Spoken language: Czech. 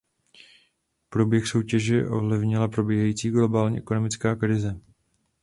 K urychlení svatby a zabránění skandálu obdržela Luisa velké věno.